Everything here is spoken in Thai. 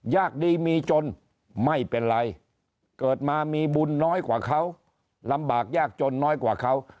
ยากดีมีจนไม่เป็นไรเกิดมามีบุญน้อยกว่าเขาลำบากยากจนน้อยกว่าเขา